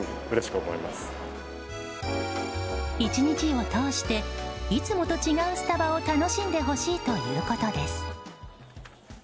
１日を通していつもと違うスタバを楽しんでほしいということです。